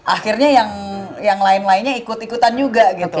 akhirnya yang lain lainnya ikut ikutan juga gitu